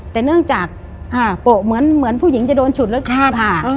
แต่เนื่องจากอ่าโปะเหมือนเหมือนผู้หญิงจะโดนฉุดแล้วครับอ่า